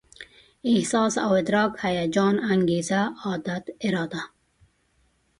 احساس او ادراک، هيجان، انګېزه، عادت، اراده